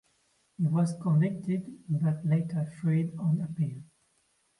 He was convicted but later freed on appeal.